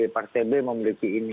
partai b memiliki ini